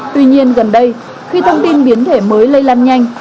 tuy nhiên gần đây khi thông tin biến thể mới lây lan nhanh